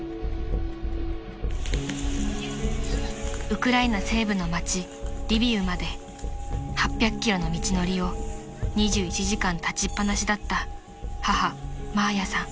［ウクライナ西部の町リビウまで８００ｋｍの道のりを２１時間立ちっ放しだった母マーヤさん］